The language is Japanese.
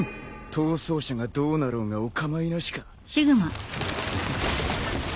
逃走者がどうなろうがお構いなしか。